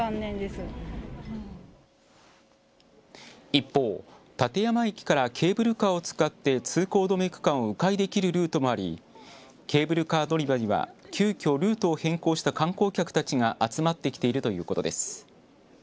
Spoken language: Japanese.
一方、立山駅からケーブルカーを使って通行止め区間をう回できるルートもありケーブルカー乗り場には急きょ、ルートを変更した観光客たちが集まってきているということです。